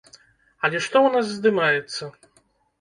Але што ў нас здымаецца?